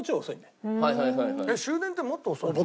終電ってもっと遅いの？